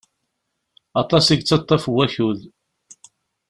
Aṭas i yettaṭaf n wakud.